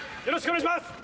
よろしくお願いします！